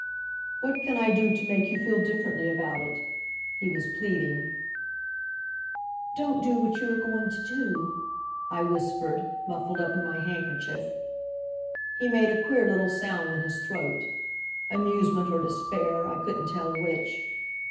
"What can I do to make you feel differently about it?" He was pleading. "Don't do what you are going to do," I whispered, muffled up in my handkerchief. He made a queer little sound in his throat amusement or despair, I couldn't tell which.